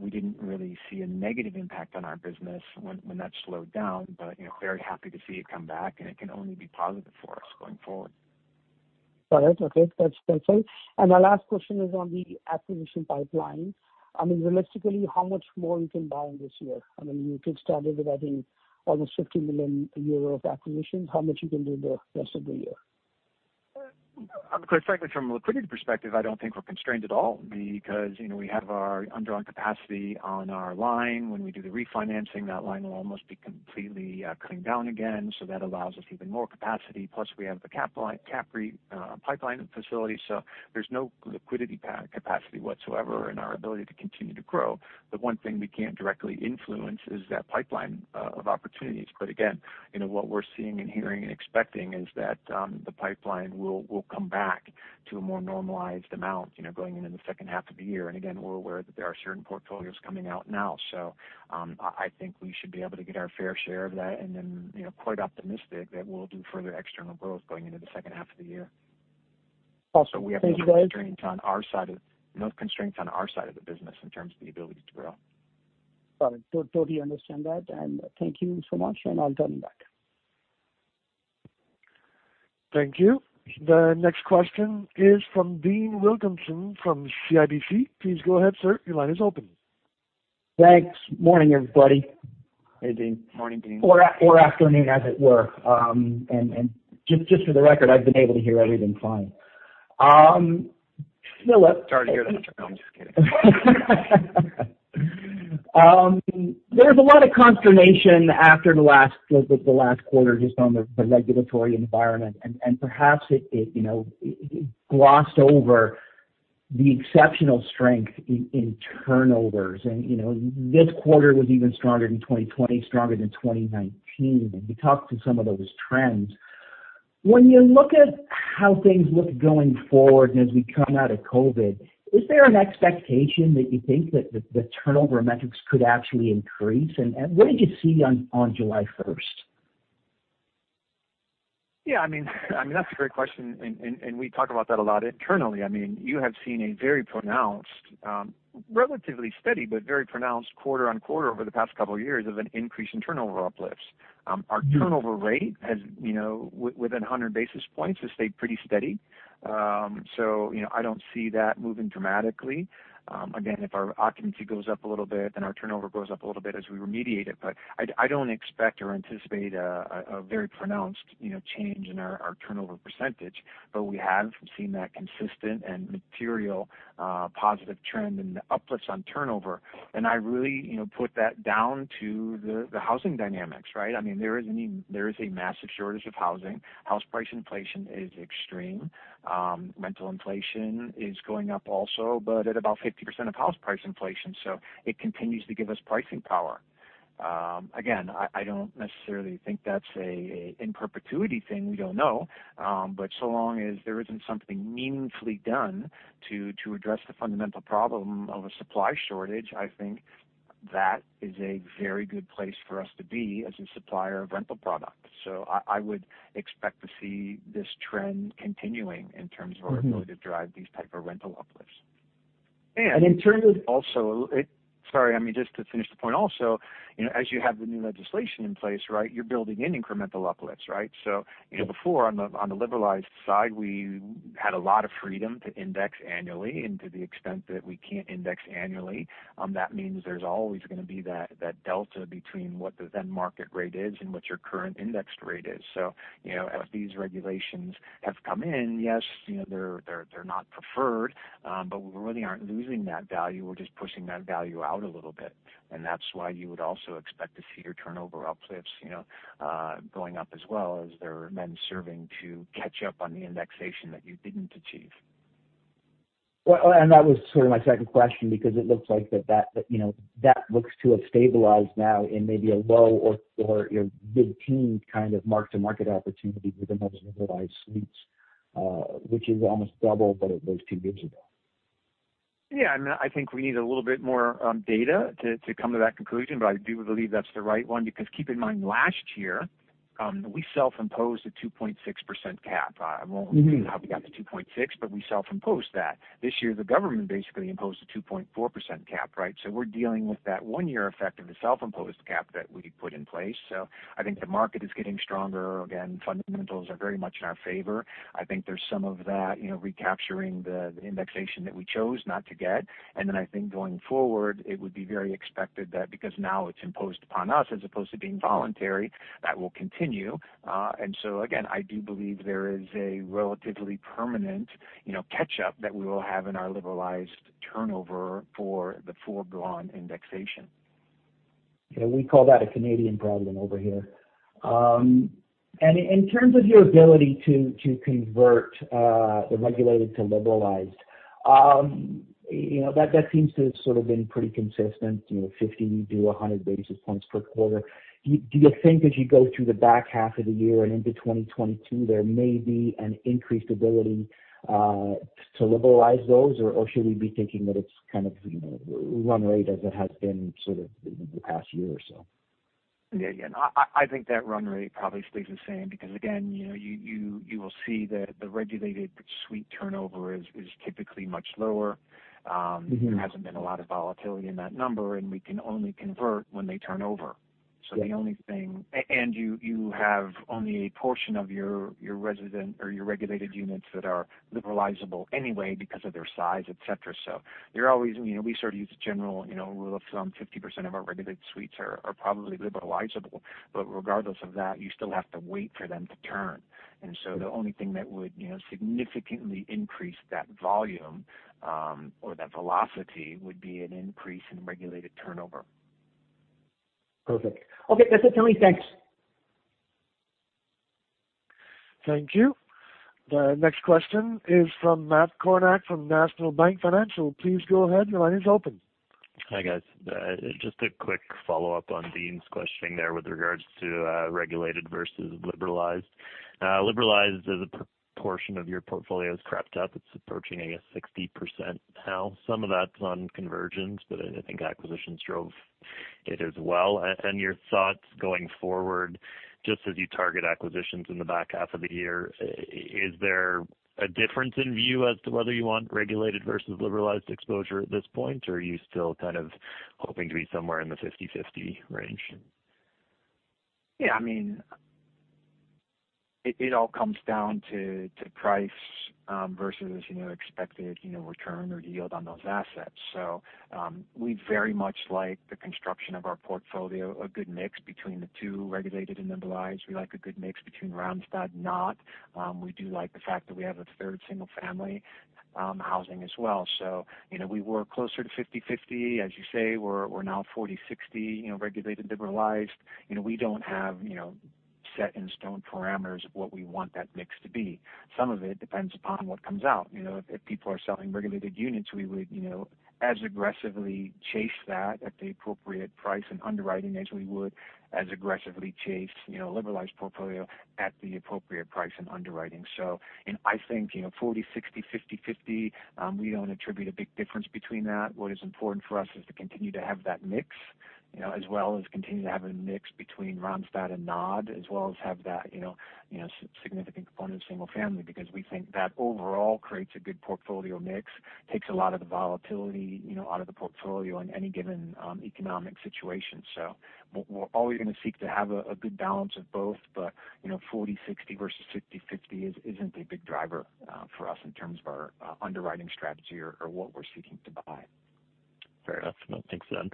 We didn't really see a negative impact on our business when that slowed down. Very happy to see it come back, and it can only be positive for us going forward. Got it. Okay. That's helpful. My last question is on the acquisition pipeline. Realistically, how much more you can buy in this year? You could start it with, I think, almost 50 million euro of acquisitions. How much you can do the rest of the year? Quite frankly, from a liquidity perspective, I don't think we're constrained at all because we have our undrawn capacity on our line. When we do the refinancing, that line will almost be completely cleaned down again. That allows us even more capacity. Plus, we have the CAPREIT pipeline and facility, so there's no liquidity capacity whatsoever in our ability to continue to grow. The one thing we can't directly influence is that pipeline of opportunities. Again, what we're seeing and hearing and expecting is that the pipeline will come back to a more normalized amount going into the second half of the year. Again, we're aware that there are certain portfolios coming out now. I think we should be able to get our fair share of that, and then quite optimistic that we'll do further external growth going into the second half of the year. Awesome. Thank you, Phillip. We have no constraints on our side of the business in terms of the ability to grow. Got it. Totally understand that, and thank you so much, and I'll turn back. Thank you. The next question is from Dean Wilkinson from CIBC. Please go ahead, sir. Your line is open. Thanks. Morning, everybody. Hey, Dean. Morning, Dean. Afternoon, as it were. Just for the record, I've been able to hear everything fine. Phillip, Sorry to hear that, I'm just kidding. There was a lot of consternation after the last quarter just on the regulatory environment, and perhaps it glossed over the exceptional strength in turnovers. This quarter was even stronger than 2020, stronger than 2019, and you talked to some of those trends. When you look at how things look going forward and as we come out of COVID, is there an expectation that you think that the turnover metrics could actually increase? What did you see on July 1st? Yeah. That's a great question, and we talk about that a lot internally. You have seen a very pronounced, relatively steady but very pronounced quarter-on-quarter over the past couple of years of an increase in turnover uplifts. Our turnover rate, within 100 basis points, has stayed pretty steady. I don't see that moving dramatically. Again, if our occupancy goes up a little bit, then our turnover goes up a little bit as we remediate it. I don't expect or anticipate a very pronounced change in our turnover percentage. We have seen that consistent and material positive trend in the uplifts on turnover. I really put that down to the housing dynamics, right? There is a massive shortage of housing. House price inflation is extreme. Rental inflation is going up also, but at about 50% of house price inflation. It continues to give us pricing power. Again, I don't necessarily think that's an in perpetuity thing, we don't know. So long as there isn't something meaningfully done to address the fundamental problem of a supply shortage, I think that is a very good place for us to be as a supplier of rental product. I would expect to see this trend continuing in terms of our ability to drive these type of rental uplifts. And in terms of- Sorry, just to finish the point also, as you have the new legislation in place, right, you're building in incremental uplifts, right? Before on the liberalized side, we had a lot of freedom to index annually. To the extent that we can't index annually, that means there's always going to be that delta between what the then market rate is and what your current indexed rate is. As these regulations have come in, yes, they're not preferred, but we really aren't losing that value. We're just pushing that value out a little bit. That's why you would also expect to see your turnover uplifts going up as well as they're then serving to catch up on the indexation that you didn't achieve. Well, that was sort of my second question, because it looks like that looks to have stabilized now in maybe a low or mid-teen kind of mark-to-market opportunity within those liberalized suites, which is almost double what it was two years ago. I think we need a little bit more data to come to that conclusion, but I do believe that's the right one because keep in mind, last year, we self-imposed a 2.6% cap. I won't say how we got to 2.6, but we self-imposed that. This year, the government basically imposed a 2.4% cap, right? We're dealing with that 1-year effect of the self-imposed cap that we put in place. I think the market is getting stronger. Again, fundamentals are very much in our favor. I think there's some of that recapturing the indexation that we chose not to get. Then I think going forward, it would be very expected that because now it's imposed upon us as opposed to being voluntary, that will continue. Again, I do believe there is a relatively permanent catch-up that we will have in our liberalized turnover for the foregone indexation. Yeah, we call that a Canadian problem over here. In terms of your ability to convert the regulated to liberalized, that seems to have sort of been pretty consistent, 50-100 basis points per quarter. Do you think as you go through the back half of the year and into 2022, there may be an increased ability to liberalize those? Should we be thinking that it's kind of run rate as it has been sort of the past year or so? Yeah. I think that run rate probably stays the same because again, you will see that the regulated suite turnover is typically much lower. There hasn't been a lot of volatility in that number, and we can only convert when they turn over. Yeah. You have only a portion of your regulated units that are liberalizable anyway because of their size, et cetera. We sort of use a general rule of thumb, 50% of our regulated suites are probably liberalizable. Regardless of that, you still have to wait for them to turn. The only thing that would significantly increase that volume, or that velocity, would be an increase in regulated turnover. Perfect. Okay, that's it for me. Thanks. Thank you. The next question is from Matt Kornack from National Bank Financial. Please go ahead. Your line is open. Hi, guys. Just a quick follow-up on Dean's questioning there with regards to regulated versus liberalized. Liberalized as a portion of your portfolio has crept up. It's approaching, I guess, 60% now. Some of that's on conversions, but I think acquisitions drove it as well. Your thoughts going forward, just as you target acquisitions in the back half of the year, is there a difference in view as to whether you want regulated versus liberalized exposure at this point, or are you still kind of hoping to be somewhere in the 50/50 range? It all comes down to price versus expected return or yield on those assets. We very much like the construction of our portfolio, a good mix between the two regulated and liberalized. We like a good mix between Randstad and non-Randstad. We do like the fact that we have a third single-family housing as well. We were closer to 50/50. As you say, we're now 40/60 regulated and liberalized. We don't have set-in-stone parameters of what we want that mix to be. Some of it depends upon what comes out. If people are selling regulated units, we would as aggressively chase that at the appropriate price and underwriting as we would as aggressively chase liberalized portfolio at the appropriate price and underwriting. I think, 40/60, 50/50, we don't attribute a big difference between that. What is important for us is to continue to have that mix, as well as continue to have a mix between Randstad and non-Randstad, as well as have that significant component of single family because we think that overall creates a good portfolio mix, takes a lot of the volatility out of the portfolio in any given economic situation. We're always going to seek to have a good balance of both, but 40/60 versus 50/50 isn't a big driver for us in terms of our underwriting strategy or what we're seeking to buy. Fair enough. No, it makes sense.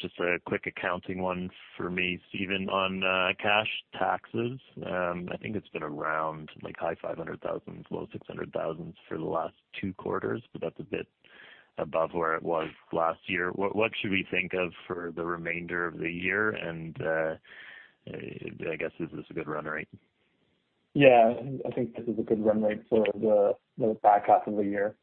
Just a quick accounting one for me, Stephen, on cash taxes. I think it's been around like high EUR 500,000-low EUR 600,000 for the last two quarters, but that's a bit above where it was last year. What should we think of for the remainder of the year? I guess is this a good run rate? Yeah, I think this is a good run rate for the back half of the year.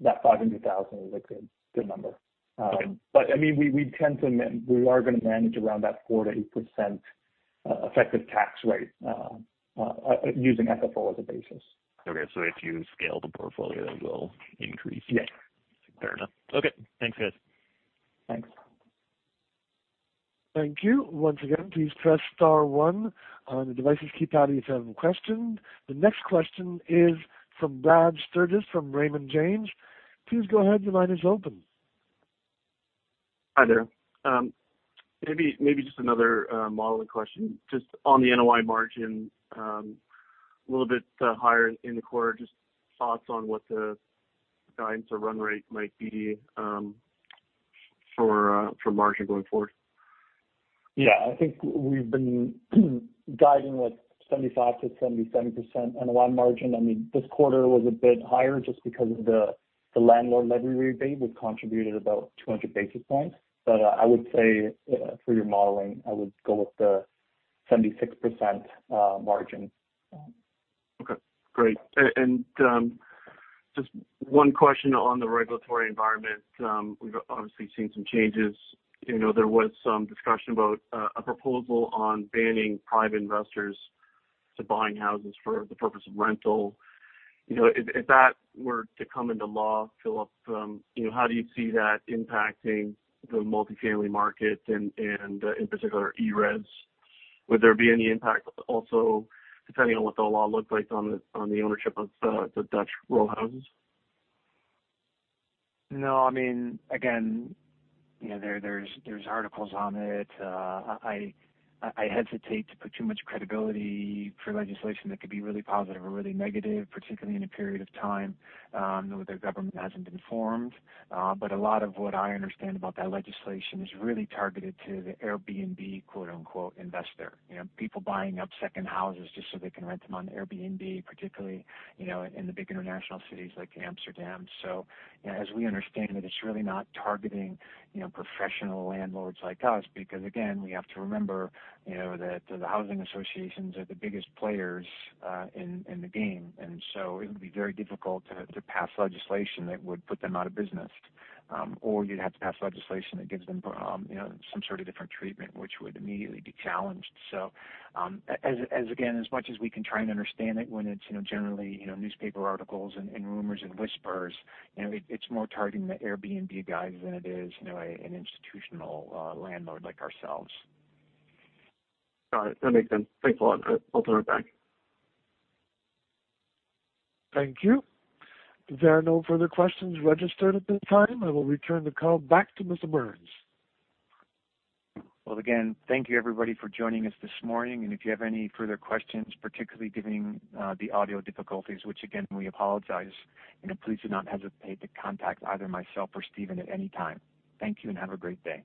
That 500,000 is a good number. Okay. We are going to manage around that 48% effective tax rate using FFO as a basis. Okay. If you scale the portfolio, it will increase. Yes. Fair enough. Okay. Thanks, guys. Thanks. Thank you. Once again, please press star one on your devices keypad if you have any questions. The next question is from Brad Sturges from Raymond James. Please go ahead. Your line is open. Hi there. Maybe just another modeling question. Just on the NOI margin, a little bit higher in the quarter, just thoughts on what the guidance or run rate might be for margin going forward? I think we've been guiding with 75%-77% NOI margin. This quarter was a bit higher just because of the landlord levy rebate, which contributed about 200 basis points. I would say for your modeling, I would go with the 76% margin. Okay, great. Just one question on the regulatory environment. We've obviously seen some changes. There was some discussion about a proposal on banning private investors to buying houses for the purpose of rental. If that were to come into law, Phillip, how do you see that impacting the multifamily market and in particular ERES? Would there be any impact also, depending on what the law looks like, on the ownership of the Dutch row houses? No, again, there's articles on it. I hesitate to put too much credibility for legislation that could be really positive or really negative, particularly in a period of time where their government hasn't been formed. A lot of what I understand about that legislation is really targeted to the Airbnb, quote-unquote, investor. People buying up second houses just so they can rent them on Airbnb, particularly in the big international cities like Amsterdam. As we understand it's really not targeting professional landlords like us, because again, we have to remember that the housing associations are the biggest players in the game. It would be very difficult to pass legislation that would put them out of business. You'd have to pass legislation that gives them some sort of different treatment, which would immediately be challenged. Again, as much as we can try and understand it when it's generally newspaper articles and rumors and whispers, it's more targeting the Airbnb guys than it is an institutional landlord like ourselves. Got it. That makes sense. Thanks a lot. I'll turn it back. Thank you. There are no further questions registered at this time. I will return the call back to Mr. Burns. Well, again, thank you everybody for joining us this morning. If you have any further questions, particularly given the audio difficulties, which again, we apologize, please do not hesitate to contact either myself or Stephen at any time. Thank you and have a great day.